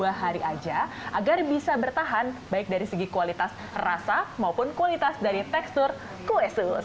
dua hari aja agar bisa bertahan baik dari segi kualitas rasa maupun kualitas dari tekstur kue sus